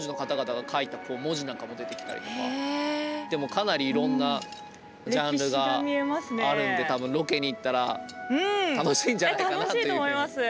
かなりいろんなジャンルがあるんで多分ロケに行ったら楽しいんじゃないかなというふうに思います。